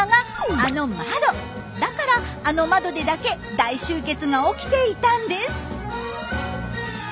だからあの窓でだけ大集結が起きていたんです。